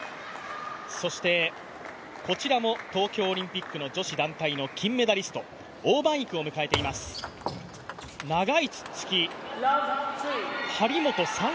そしてこちらも東京オリンピックの女子団体の金メダリスト、王曼イクを迎えています、長いツッツキ。